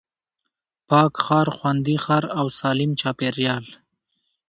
پاک ښار، خوندي ښار او سالم چاپېريال